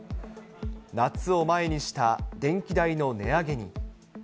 夏を前にした電気代の値上げに。